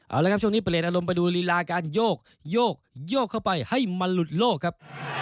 เอาละครับช่วงนี้เปลี่ยนอารมณ์ไปดูรีลาการโยกโยกโยกเข้าไปให้มันหลุดโลกครับ